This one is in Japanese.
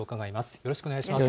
よろしくお願いします。